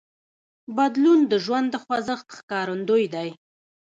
بدلون د ژوند د خوځښت ښکارندوی دی.